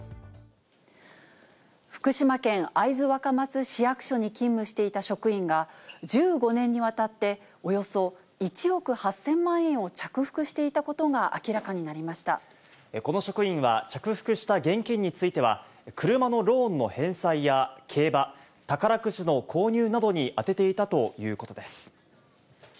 福島県会津若松市役所に勤務していた職員が、１５年にわたっておよそ１億８０００万円を着服していたことこの職員は、着服した現金については、車のローンの返済や、競馬、宝くじの購入などに充てていたということです。